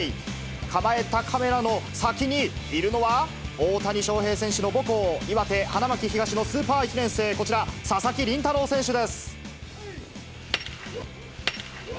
構えたカメラの先にいるのは、大谷翔平選手の母校、岩手・花巻東のスーパー１年生、こちら、佐々木麟太郎選手です。